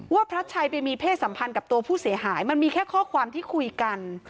พระชัยไปมีเพศสัมพันธ์กับตัวผู้เสียหายมันมีแค่ข้อความที่คุยกัน